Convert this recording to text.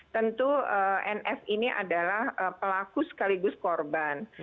tentu nf ini adalah pelaku sekaligus korban